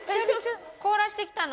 凍らせてきたの？